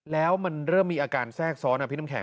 แล้วมันเริ่มมีอาการแทรกซ้อนนะพี่น้ำแข